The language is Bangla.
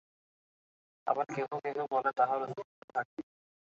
আবার কেহ কেহ বলে তাহার অস্তিত্ব থাকে।